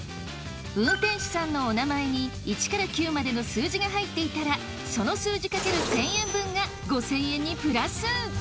運転手さんのお名前に一から九までの数字が入っていたらその数字かける１，０００円分が５，０００円にプラス。